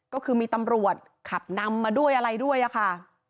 ก็คือมีตำรวจขับนำมาด้วยอะไรด้วยอะค่ะ